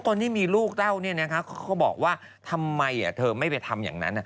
คนที่มีลูกเต้าเนี่ยนะครับเขาบอกว่าทำไมเธอไม่ไปทำอย่างนั้น